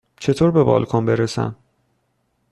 چطور به بالکن برسم؟